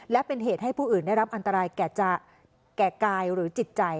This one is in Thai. และเป็นเหตุให้ผู้อื่นได้รับอันตรายแก่กายหรือจิตใจ